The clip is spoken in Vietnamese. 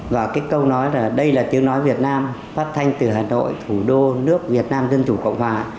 và cái câu nói là đây là tiếng nói việt nam phát thanh từ hà nội thủ đô nước việt nam dân chủ cộng hòa